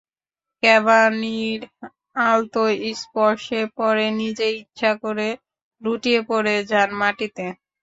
কাভানির আলতো স্পর্শে পরে নিজে ইচ্ছা করে লুটিয়ে পড়ে যান মাটিতে।